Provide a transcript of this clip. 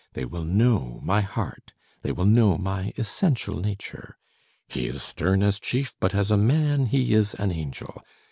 They will know my heart, they will know my essential nature: 'He is stern as chief, but as a man he is an angel!'